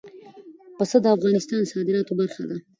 پسه د افغانستان د صادراتو برخه ده.